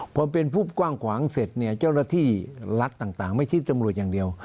พอเป็นผู้กว้างขวางเสร็จเนี่ยเจ้าหน้าที่รัฐต่างไม่ใช่ตำรวจอย่างเดียว